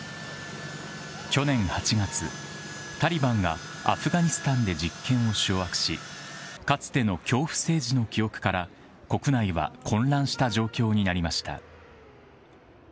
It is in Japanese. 去年８月、タリバンがアフガニスタンで実権を掌握し、かつての恐怖政治の記憶から、国内は混乱した状況になりました。